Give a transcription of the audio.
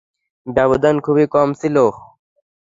ব্যবধান খুবই কম ছিল।